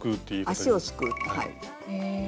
足をすくうはい。